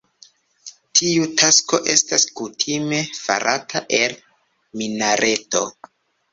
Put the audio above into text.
Tiu tasko estas kutime farata el minareto.